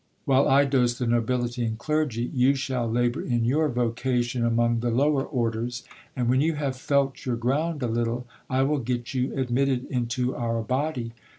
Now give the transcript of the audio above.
While I dose the nobility and clergy, you shall labour in your vocation among the lower orders ; and when you have felt your ground a little, I will get you admitted into our body.